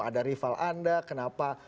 ada rival anda kenapa